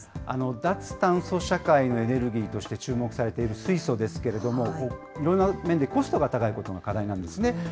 脱炭素社会のエネルギーとして注目されている水素ですけれども、いろいろな面でコストが高いことが課題なんですね。